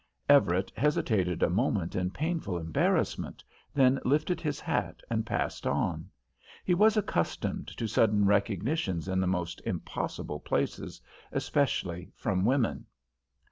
Everett hesitated a moment in painful embarrassment, then lifted his hat and passed on. He was accustomed to sudden recognitions in the most impossible places, especially from women.